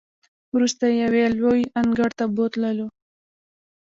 وروسته یې یوې لویې انګړ ته بوتللو.